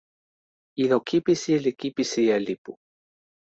ilo kipisi li kipisi e lipu.